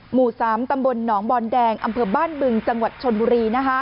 หมู่๓ตำบลหนองบอนแดงอำเภอบ้านบึงจังหวัดชนบุรี